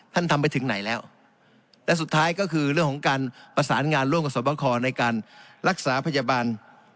ทำไปถึงไหนแล้วและสุดท้ายก็คือเรื่องของการประสานงานร่วมกับสวบคอในการรักษาพยาบาล